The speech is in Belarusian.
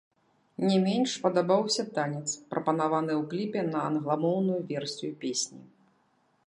Не менш падабаўся танец, прапанаваны ў кліпе на англамоўную версію песні.